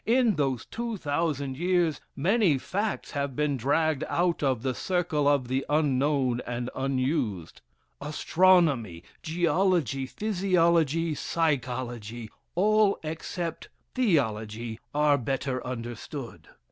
In those 2000 years many facts have been dragged out of "the circle of the unknown and unused." Astronomy, geology, physiology, psychology all except theology are belter understood.